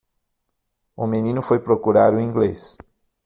O menino foi procurar o inglês.